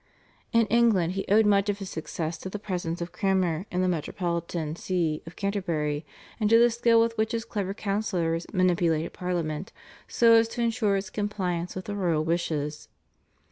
In England he owed much of his success to the presence of Cranmer in the metropolitan See of Canterbury, and to the skill with which his clever councillors manipulated Parliament so as to ensure its compliance with the royal wishes.